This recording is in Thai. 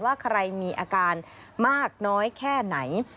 ว่าใครมีอาการมากน้อยแค่ไหน